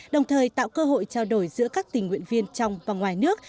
đồng thời tạo cơ hội trao đổi giữa các tình nguyện viên trong và ngoài nước